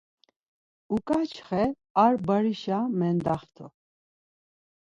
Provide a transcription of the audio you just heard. Uǩaçxe ar barişa mendaxt̆u.